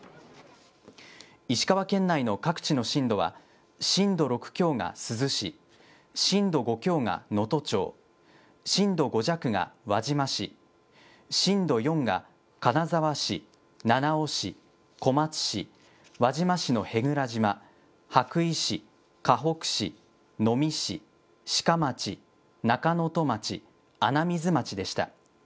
石川県内の各地の震度は、震度６強が珠洲市、震度５強が能登町、震度５弱が輪島市、震度４が金沢市、七尾市、小松市、輪島市の舳倉島、羽咋市、かほく市、能美市、志賀町、中能登町、穴水町でした。